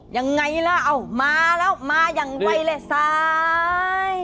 ยังไงล่ะเอามาแล้วมาอย่างไวเลยซ้าย